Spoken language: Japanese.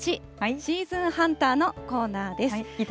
シーズンハンターのコーナーです。